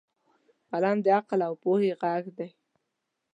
قلم د عقل او پوهې غږ دی